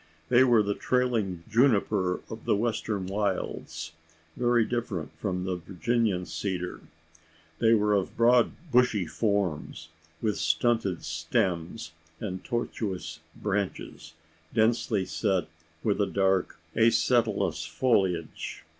They were the trailing juniper of the western wilds very different from the Virginian cedar. They were of broad bushy forms, with stunted stems, and tortuous branches, densely set with a dark acetalous foliage.